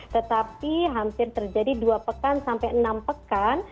tetapi hampir terjadi dua pekan sampai enam pekan